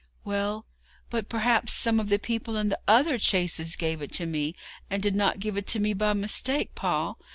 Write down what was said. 'Well, but perhaps some of the people in the other chaises gave it to me, and did not give it to me by mistake, Paul.